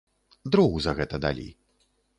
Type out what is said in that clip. Дроў за гэта далі.